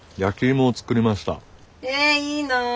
えいいな。